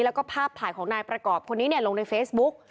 แล้วก็ภาพถ่ายของนายประกอบคนนี้ลงในเฟซบุ๊ก